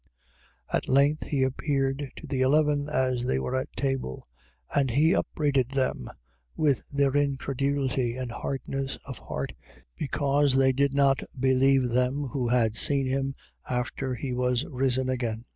16:14. At length he appeared to the eleven as they were at table: and he upbraided them with their incredulity and hardness of heart, because they did not believe them who had seen him after he was risen again.